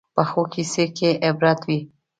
پخو کیسو کې عبرت وي